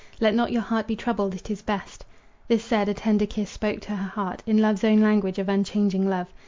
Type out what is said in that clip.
Let not your heart be troubled it is best." This said, a tender kiss spoke to her heart, In love's own language, of unchanging love.